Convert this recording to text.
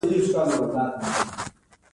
ننوتل منع دي